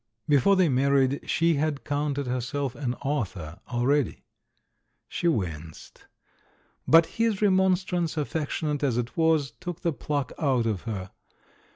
Before they married she had counted herself TIME, THE HUMORIST 283 an author already. She winced. But his remon strance, affectionate as it was, took the pluck out of her.